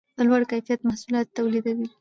په لوړ کیفیت محصولات یې تولیدول.